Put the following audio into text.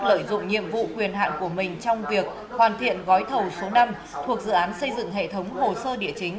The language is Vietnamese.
lợi dụng nhiệm vụ quyền hạn của mình trong việc hoàn thiện gói thầu số năm thuộc dự án xây dựng hệ thống hồ sơ địa chính